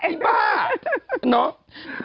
อีบ้าเนาะ